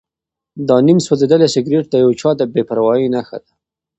دا نیم سوځېدلی سګرټ د یو چا د بې پروایۍ نښه وه.